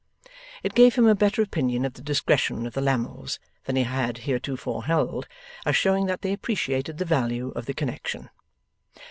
It gave him a better opinion of the discretion of the Lammles than he had heretofore held, as showing that they appreciated the value of the connexion.